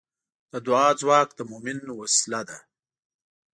د دعا ځواک د مؤمن وسلې ده.